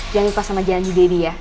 jangan lupa sama janji denny ya